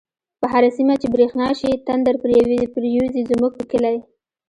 په هر سيمه چی بريښنا شی، تندر پر يوزی زموږ په کلی